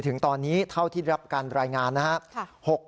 ถึงตอนนี้เท่าที่รับการรายงานนะครับ